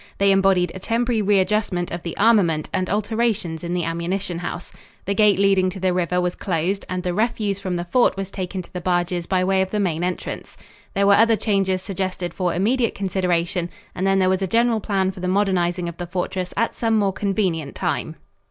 They embodied a temporary readjustment of the armament and alterations in the ammunition house. The gate leading to the river was closed and the refuse from the fort was taken to the barges by way of the main entrance. There were other changes suggested for immediate consideration, and then there was a general plan for the modernizing of the fortress at some more convenient time.